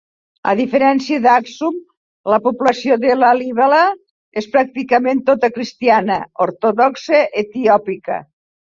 A diferència d'Aksum, la població de Lalibela és pràcticament tota cristiana ortodoxa etiòpica.